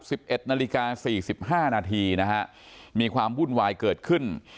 สิบเอ็ดนาฬิกาสี่สิบห้านาทีนะฮะมีความวุ่นวายเกิดขึ้น